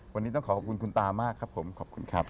วันนี้ต้องขอขอบคุณคุณตามากครับผมขอบคุณครับ